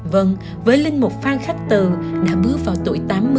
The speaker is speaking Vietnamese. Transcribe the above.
vâng với linh mục phan khắc từ đã bước vào tuổi tám mươi